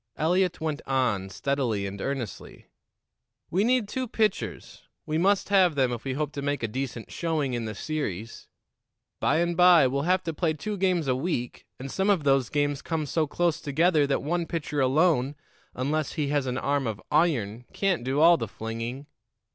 Eliot went on, steadily and earnestly: "We need two pitchers we must have them if we hope to make a decent showing in the series. By and by we'll have to play two games a week, and some of those games come so close together that one pitcher alone, unless he has an arm of iron, can't do all the flinging.